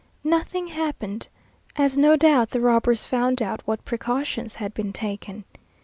Nothing happened, as no doubt the robbers found out what precautions had been taken.